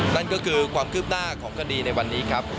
นั่นก็คือความคืบหน้าของคดีในวันนี้ครับ